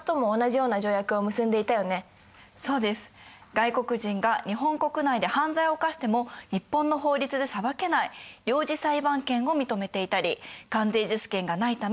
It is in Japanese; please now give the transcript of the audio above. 外国人が日本国内で犯罪を犯しても日本の法律で裁けない領事裁判権を認めていたりこれを変えるには日本もそうなんだ。